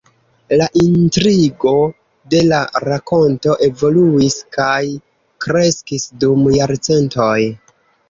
La intrigo de la rakonto evoluis kaj kreskis dum jarcentoj.